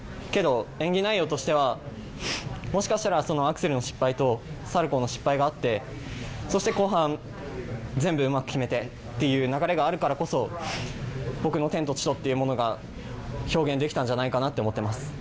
けど、演技内容としてはもしかしたらアクセルの失敗とサルコウの失敗があってそして、後半全部うまく決めてっていう流れがあるからこそ僕の「天と地と」っていうものが表現できたんじゃないかと思います。